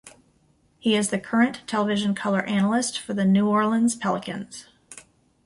He is the current television color analyst for the New Orleans Pelicans.